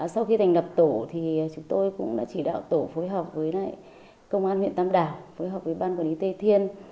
sau khi thành lập tổ thì chúng tôi cũng đã chỉ đạo tổ phối hợp với công an huyện tam đảo phối hợp với ban quản lý tê thiên